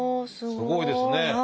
すごいですね。